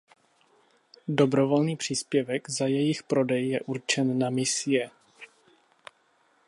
Dobrovolný příspěvek za jejich prodej je určen na misie.